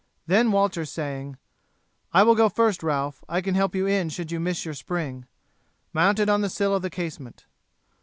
Then Walter, saying, "I will go first, Ralph, I can help you in should you miss your spring," mounted on the sill of the casement.